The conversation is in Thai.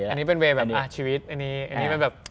อันนี้เป็นเว่อะชีวิตอันนี้มันแบบ